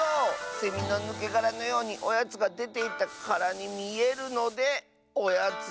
セミのぬけがらのようにおやつがでていったからにみえるので「おやつのぬけがら」！